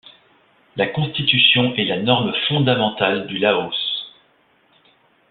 La Constitution est la norme fondamentale du Laos.